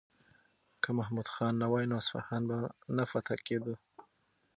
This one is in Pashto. که محمود خان نه وای نو اصفهان به نه فتح کېدو.